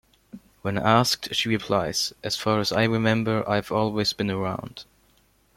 When asked, she replies, As far as I remember, I've always been around.